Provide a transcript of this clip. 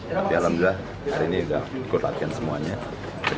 tapi alhamdulillah hari ini sudah ikut latihan semuanya